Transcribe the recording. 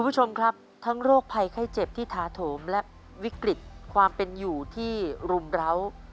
คุณผู้ชมครับทั้งโรคภัยไข้เจ็บที่ถาโถมและวิกฤตความเป็นอยู่ที่รุมร้าว